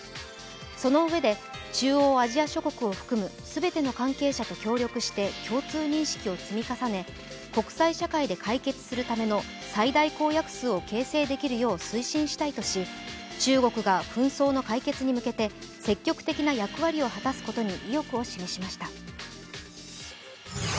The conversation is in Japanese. そのうえで、中央アジア諸国を含む全ての関係者と協力して共通認識を積み重ね、国際社会で解決するための最大公約数を形成できるよう推進したいとし中国が紛争の解決に向けて積極的な役割を果たすことに意欲を示しました。